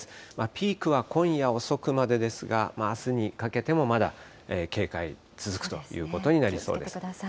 ピークは今夜遅くまでですが、あすにかけてもまだ警戒、続くということになりそうです。